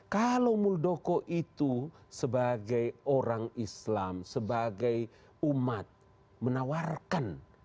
kalau muldoko itu sebagai orang islam sebagai umat menawarkan